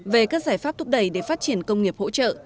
về các giải pháp thúc đẩy để phát triển công nghiệp hỗ trợ